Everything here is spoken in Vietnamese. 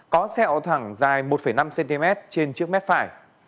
có xe ổ thẳng dài một năm cm trên chiếc mét phải